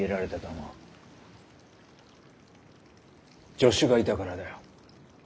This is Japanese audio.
助手がいたからだよ。